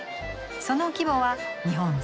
その規模は日本最大！